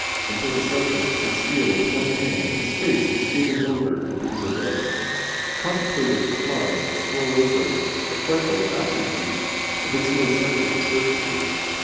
Until the cyclist can steer with one hand, his face is given over to Beelzebub. Contemplative flies stroll over it, and trifle absently with its most sensitive surfaces.